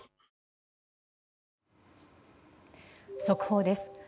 速報です。